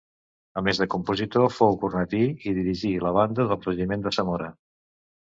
A més de compositor fou cornetí i dirigí la banda del regiment de Zamora.